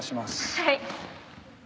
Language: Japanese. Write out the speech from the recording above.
はい。